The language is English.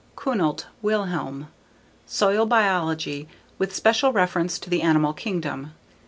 Kuhnelt, Wilhelm. _Soil Biology: with special reference to the animal kingdom.